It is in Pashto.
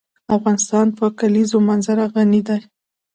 افغانستان په د کلیزو منظره غني دی.